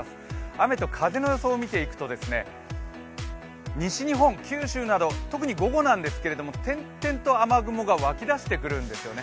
雨と風の予想を見ていくと西日本、九州など特に午後なんですけれども点々と雨雲が湧き出してくるんですよね。